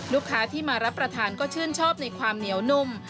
ลูกค้าที่มารับประทานก็ชื่นชอบในความเหนียวนุ่ม